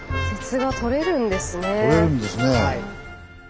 とれるんですね。